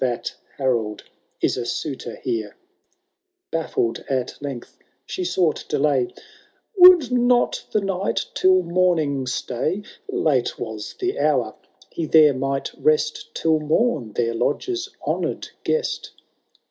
That Harold is a suitor here !— Bafiled at length she sought delay :^ Would not the Knight tUl morning stay ? Late was the hour — ^he there might rest Till mom, their lodge's honour'd guest."